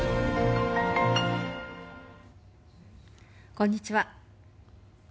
こんにちは。